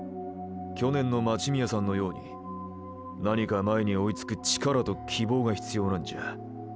去年の待宮さんのように何か前に追いつく“力”と“希望”が必要なんじゃ。